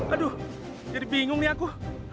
aduh jadi bingung nih aku